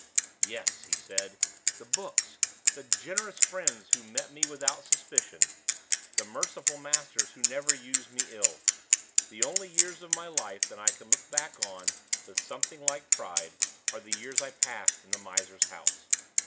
"Yes!" he said, "the books the generous friends who met me without suspicion the merciful masters who never used me ill! The only years of my life that I can look back on with something like pride are the years I passed in the miser's house.